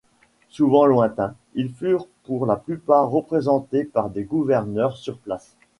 Souvent lointains, ils furent pour la plupart représentés par des gouverneurs sur place.